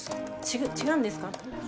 ちが違うんですか？